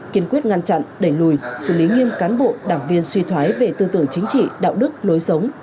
kiên quyết ngăn chặn đẩy lùi xử lý nghiêm cán bộ đảng viên suy thoái về tư tưởng chính trị đạo đức lối sống